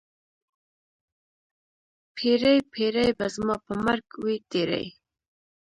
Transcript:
پیړۍ، پیړۍ به زما په مرګ وي تېرې